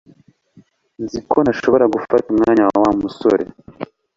Nzi ko ntashobora gufata umwanya wa Wa musore